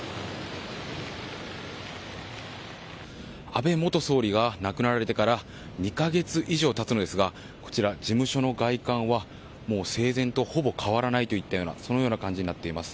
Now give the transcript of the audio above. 安倍元総理が亡くなられてから２か月以上経つのですが事務所の外観は、生前とほぼ変わらないといったようなそのような感じになっています。